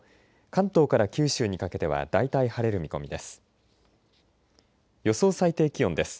関東から九州にかけては大体晴れる見込みです。